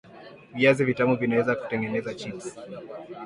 Viazi vitamu vinaweza kutengenezwa chips